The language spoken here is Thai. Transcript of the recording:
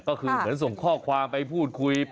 ก็คือเหมือนส่งข้อความไปพูดคุย